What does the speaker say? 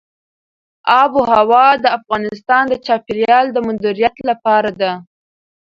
آب وهوا د افغانستان د چاپیریال د مدیریت لپاره ده.